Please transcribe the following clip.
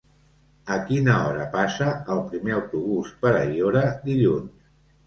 A quina hora passa el primer autobús per Aiora dilluns?